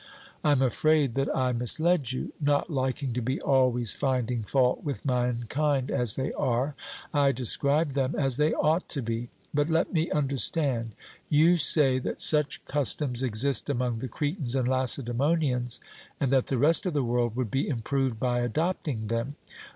I am afraid that I misled you; not liking to be always finding fault with mankind as they are, I described them as they ought to be. But let me understand: you say that such customs exist among the Cretans and Lacedaemonians, and that the rest of the world would be improved by adopting them?